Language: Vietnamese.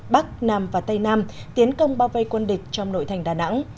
bắc nam và tây nam tiến công bao vây quân địch trong nội thành đà nẵng